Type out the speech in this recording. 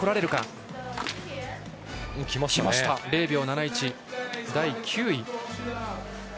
０秒７１、第９位。